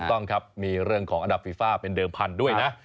ต้องครับมีเรื่องของอันดับฟีฟ่าเป็นเดิมพันธุ์ด้วยนะ